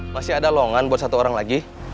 masih ada longan buat satu orang lagi